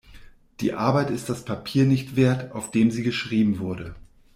Die Arbeit ist das Papier nicht wert, auf dem sie geschrieben wurde.